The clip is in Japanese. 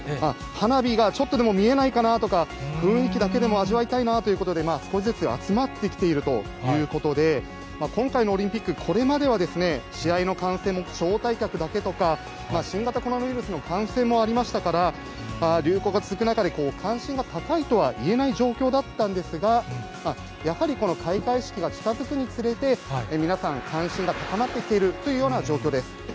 花火がちょっとでも見えないかなとか、雰囲気だけでも味わいたいなということで、少しずつ集まってきているということで、今回のオリンピック、これまでは試合の観戦も招待客だけとか、新型コロナウイルスの感染もありましたから、流行が続く中で、関心が高いとは言えない状況だったんですが、やっぱりこの開会式が近づくにつれて、皆さん、関心が高まってきているというような状況です。